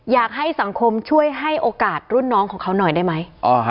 อยากให้สังคมช่วยให้โอกาสรุ่นน้องของเขาหน่อยได้ไหม